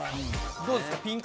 どうですか？